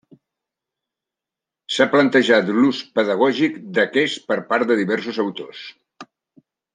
S'ha plantejat l'ús pedagògic d'aquests per part de diversos autors.